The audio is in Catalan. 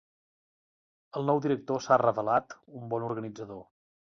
El nou director s'ha revelat un bon organitzador.